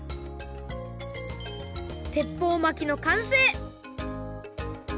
てっぽう巻きのかんせい！